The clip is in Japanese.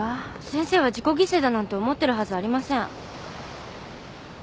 先生は自己犠牲だなんて思ってるはずありません。